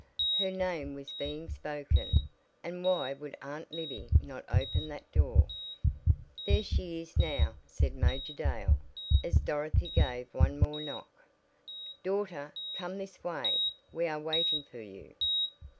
Her name was being spoken, and why would Aunt Libby not open that door? "There she is now," said Major Dale, as Dorothy gave one more knock. "Daughter, come this way. We are waiting for you."